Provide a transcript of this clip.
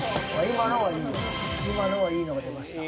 今のはいいのが出ました。